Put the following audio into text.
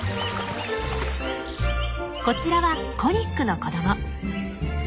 こちらはコニックの子ども。